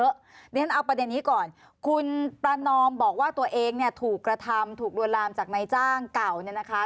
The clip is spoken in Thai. เดี๋ยวฉันเอาประเด็นนี้ก่อนคุณประนอมบอกว่าตัวเองเนี่ยถูกกระทำถูกลวนลามจากนายจ้างเก่าเนี่ยนะคะ